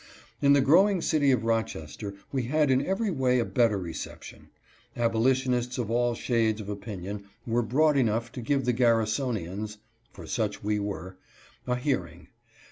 In the growing city of Rochester we had in every way a better reception. Abolitionists of all shades of opinion were broad enough to give the Garrisonians (for such we were) a hearing.